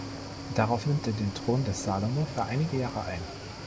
Darauf nimmt er den Thron des Salomo für einige Jahre ein.